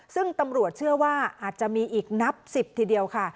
ซึ่งตำรวจเชื่อว่าอาจจะมีอีกนับ๑๐ทีเดียวค่ะ